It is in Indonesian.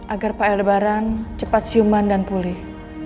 agar pak aldebaran cepat siuman dan pulih